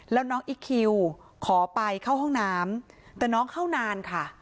แล้วน้องอีคคิวขอไปเข้าห้องน้ำแต่น้องเข้านานค่ะ